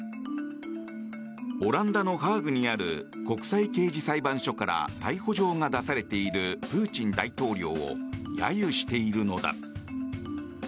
オランダのハーグにある国際刑事裁判所から逮捕状が出されているプーチン大統領を揶揄しているのだ。